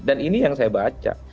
dan ini yang saya baca